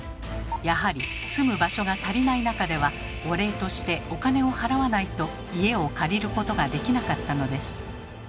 やはり住む場所が足りない中ではお礼としてお金を払わないと家を借りることができなかったのです。